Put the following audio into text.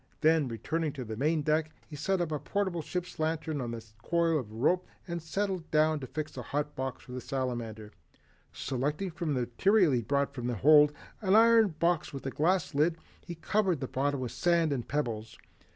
Then returning to the main deck he set a portable ship's lantern on a coil of rope and settled down to fix a hot box for the Salamander. Selecting from the material he had brought from the hold an iron box with a glass lid, he covered the bottom with sand and pebbles.